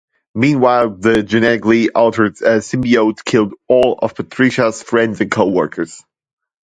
Meanwhile, the genetically altered symbiote killed all of Patricia's friends and coworkers.